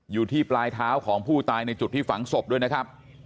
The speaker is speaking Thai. อยู่ที่ปลายเท้าของผู้ตายในจุดที่ฝังศพด้วยนะครับ